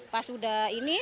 pas sudah ini